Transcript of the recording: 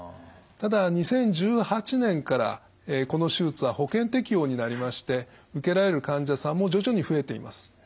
ただ２０１８年からこの手術は保険適用になりまして受けられる患者さんも徐々に増えています。